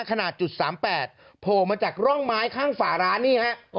ขนาดจุดสามแปดโผล่มาจากร่องไม้ข้างฝาร้านนี่ฮะ